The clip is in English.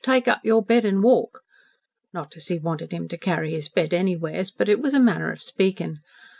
Take up your bed an' walk.' Not as he wanted him to carry his bed anywheres, but it was a manner of speaking.